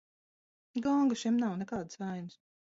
Gonga šiem nav, nekādas vainas.